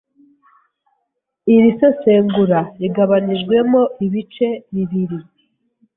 Iri sesengura rigabanijwemo ibice bibiri.